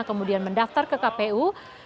kemudian mendaftar ke kpu